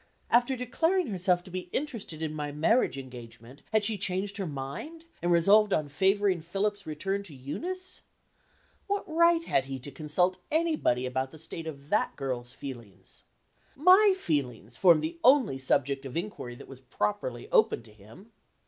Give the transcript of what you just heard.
After declaring herself to be interested in my marriage engagement had she changed her mind, and resolved on favoring Philip's return to Eunice? What right had he to consult anybody about the state of that girl's feelings? My feelings form the only subject of inquiry that was properly open to him.